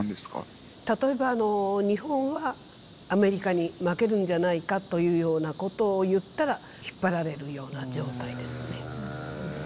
例えば日本はアメリカに負けるんじゃないかというようなことを言ったら引っ張られるような状態ですね。